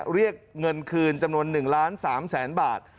เรียกเงินคืนจำนวน๑ล้าน๓แสนบาท